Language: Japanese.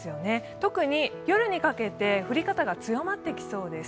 特に夜にかけて降り方が強まってきそうです。